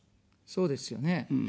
そうですよね。